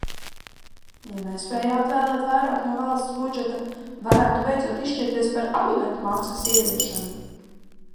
Ja nespēj atvēlēt vairāk no valsts budžeta, varētu beidzot izšķirties par abonentmaksas ieviešanu.